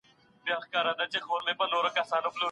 د میرمني سره نرمي باید کمه نه وي.